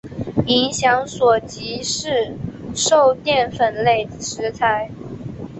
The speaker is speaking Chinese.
影响所及市售淀粉类食材。